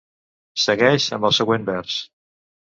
Segueix amb el següent vers.